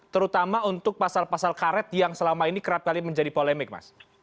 terutama untuk pasal pasal karet yang selama ini kerap kali menjadi polemik mas